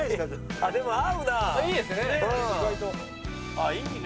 ああいいね。